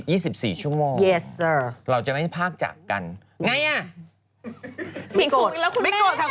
ยี่สิบสี่ชั่วโมงเราจะไม่ภาคจากกันไงอ่ะไม่โกรธค่ะคุณแม่